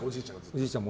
おじいちゃん。